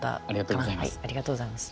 ありがとうございます。